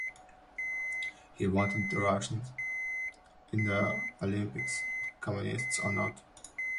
He wanted the Russians in the Olympics, Communists or not.